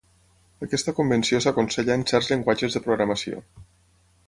Aquesta convenció s'aconsella en certs llenguatges de programació.